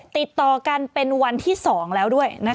ติดต่อกันเป็นวันที่๒แล้วด้วย